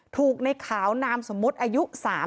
ถูกในขาวนามสมมุติอายุ๓๐